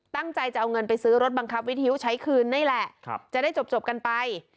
ตั้งใจจะเอาเงินไปซื้อรถบังคับวิทยุใช้คืนนี่แหละจะได้จบกันไป